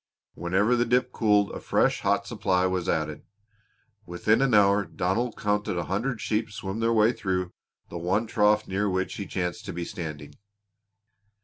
Whenever the dip cooled a fresh, hot supply was added. Within an hour Donald counted a hundred sheep swim their way through the one trough near which he chanced to be standing.